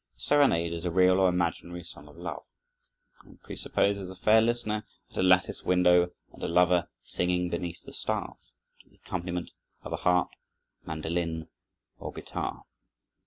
The serenade is a real or imaginary song of love, and presupposes a fair listener at a lattice window and a lover singing beneath the stars, to the accompaniment of a harp, mandolin, or guitar.